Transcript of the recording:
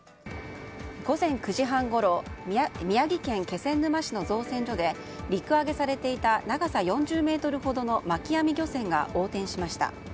午前９時半ごろ宮城県気仙沼市の造船所で陸揚げされていた長さ４０ｍほどの巻き網漁船が横転しました。